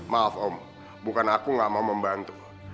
maaf om bukan aku gak mau membantu